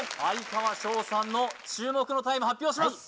哀川翔さんの注目のタイム発表します